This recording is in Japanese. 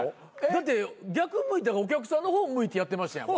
だって逆向いてお客さんの方向いてやってましたやん。